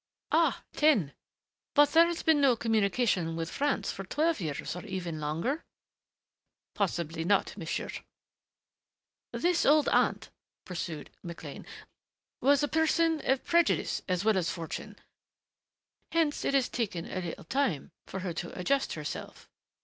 "Ah ten. But there has been no communication with France for twelve years or even longer?" "Possibly not, monsieur." "This old aunt," pursued McLean, "was a person of prejudice as well as fortune hence it has taken a little time for her to adjust herself."